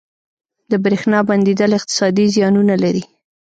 • د برېښنا بندیدل اقتصادي زیانونه لري.